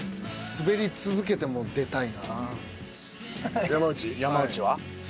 スベり続けても出たい？